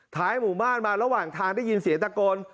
หมู่บ้านมาระหว่างทางได้ยินเสียงตะโกน